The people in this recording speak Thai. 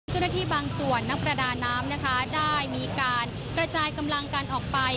จุดที่บางส่วนนักประดาน้ำได้มีการกระจายกำลังกันออกไป